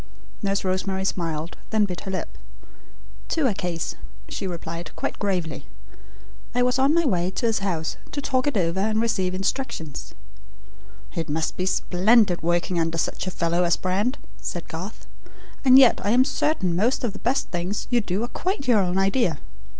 Nurse Rosemary smiled, then bit her lip. "To a case," she replied quite gravely. "I was on my way to his house to talk it over and receive instructions." "It must be splendid working under such a fellow as Brand," said Garth; "and yet I am certain most of the best things you do are quite your own idea.